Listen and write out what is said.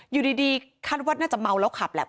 อยู่ดีคาดว่าน่าจะเมาแล้วขับแหละ